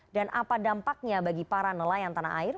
apa dampaknya bagi para nelayan tanah air